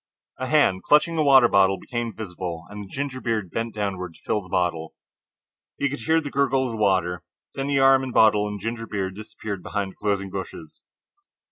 A hand, clutching a water bottle, became visible and the ginger beard bent downward to fill the bottle. He could hear the gurgle of the water. Then arm and bottle and ginger beard disappeared behind the closing bushes.